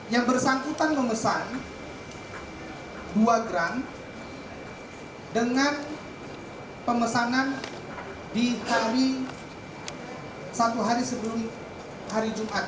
yang bersangkutan memesan dua gram dengan pemesanan di hari satu hari sebelum hari jumat